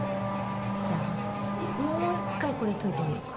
じゃあもう一回これ解いてみようか。